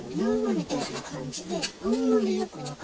みたいな感じで。